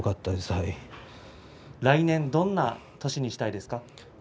来年、どんな年にしたいですか？